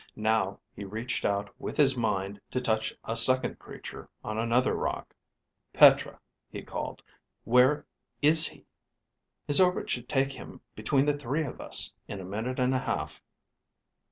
Now he reached out with his mind to touch a second creature on another rock. Petra, he called. Where is he? _His orbit should take him between the three of us in a minute and a half.